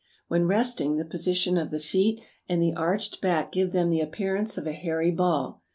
When resting the position of the feet and the arched back give them the appearance of a hairy ball.